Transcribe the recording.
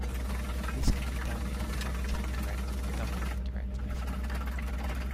This can be done in a direct, indirect, or double indirect method.